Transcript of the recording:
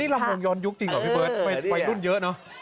นี่ละมวงย้อนยุคจริงหรอพี่เบิร์ตไปรุ่นเยอะเนาะ